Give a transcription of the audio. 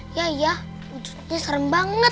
iya iya jut dia serem banget